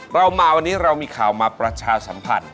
เรามาวันนี้เรามีข่าวมาประชาสัมพันธ์